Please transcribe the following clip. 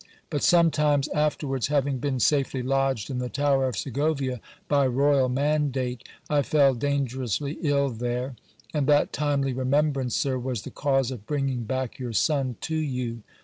But some time afterwards, having been safely lodged in the tower of Segovia by royal mandate, I fell dangerously ill there ; and that timely remembrancer was the cause of bringing back your son to you.